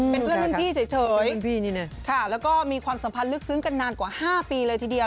เป็นเพื่อนรุ่นพี่เฉยค่ะแล้วก็มีความสัมพันธ์ลึกซึ้งกันนานกว่า๕ปีเลยทีเดียว